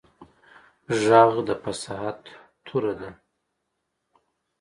غږ د فصاحت توره ده